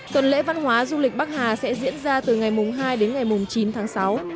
tuần lễ văn hóa du lịch bắc hà sẽ diễn ra từ ngày hai đến ngày chín tháng sáu